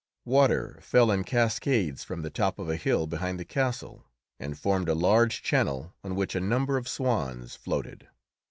Water fell in cascades from the top of a hill behind the castle, and formed a large channel on which a number of swans floated.